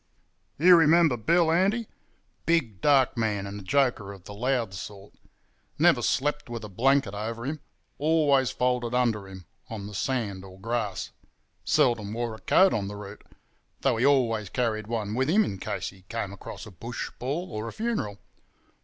"You remember Bill, Andy? Big dark man, and a joker of the loud sort. Never slept with a blanket over him—always folded under him on the sand or grass. Seldom wore a coat on the route—though he always carried one with him, in case he came across a bush ball or a funeral.